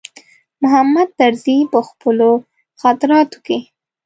محمود طرزي په خپلو خاطراتو کې.